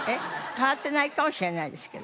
変わってないかもしれないですけど。